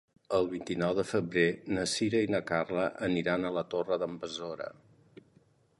El vint-i-nou de febrer na Sira i na Carla aniran a la Torre d'en Besora.